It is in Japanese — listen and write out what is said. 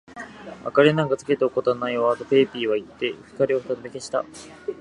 「明りなんかつけておくことはないわ」と、ペーピーはいって、光をふたたび消した。